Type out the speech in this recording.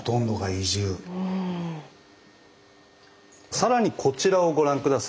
さらにこちらをご覧下さい。